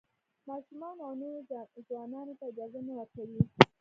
ماشومانو او نویو ځوانانو ته اجازه نه ورکوي.